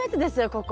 ここ。